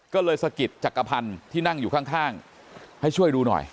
ก็เลยสะกิดจักรพันธ์ที่นั่งอยู่ข้างให้ช่วยดูหน่อย